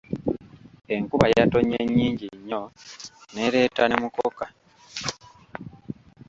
Enkuba yatonye nnyingi nnyo n’ereeta ne mukoka.